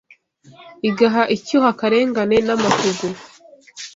igaha icyuho akarengane n’amahugu